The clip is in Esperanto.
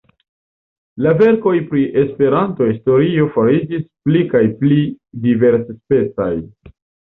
La verkoj pri Esperanto-historio fariĝis pli kaj pli diversspecaj.